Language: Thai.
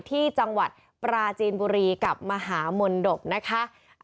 ที่จังหวัดปราจีนบุรีกับมหามนตกนะคะ